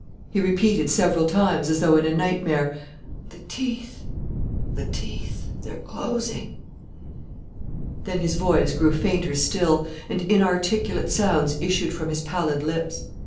He repeated several times, as though in a nightmare: "The teeth! the teeth! They're closing!" Then his voice grew fainter still; and inarticulate sounds issued from his pallid lips.